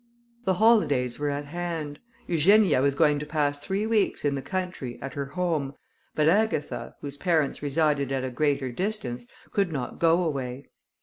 The holidays were at hand: Eugenia was going to pass three weeks in the country, at her home, but Agatha, whose parents resided at a great distance, could not go away.